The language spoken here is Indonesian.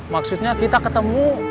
maksudnya kita ketemu